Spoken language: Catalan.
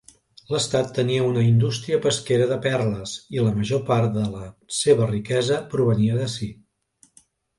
L'estat tenia una indústria pesquera de perles i la major part de la seva riquesa provenia d'ací.